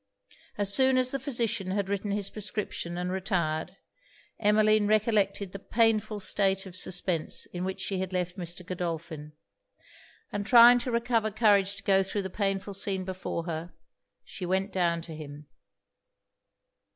As soon as the physician had written his prescription and retired, Emmeline recollected the painful state of suspense in which she had left Mr. Godolphin, and trying to recover courage to go thro' the painful scene before her, she went down to him.